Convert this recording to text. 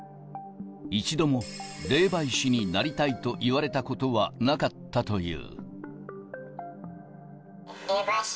一度も霊媒師になりたいと言われたことはなかったという。